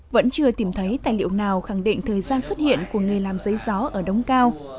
vẫn chưa tìm thấy tài liệu nào khẳng định thời gian xuất hiện của nghề làm giấy gió ở đống cao